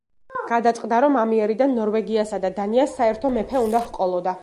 გადაწყდა, რომ ამიერიდან ნორვეგიასა და დანიას საერთო მეფე უნდა ჰყოლოდა.